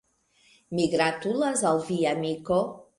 Mi gratulas al vi, amiko